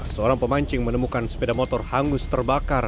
seorang pemancing menemukan sepeda motor hangus terbakar